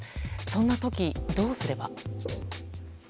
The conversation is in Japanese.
そんな時、どうすれば？